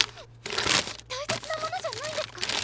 た大切なものじゃないんですか？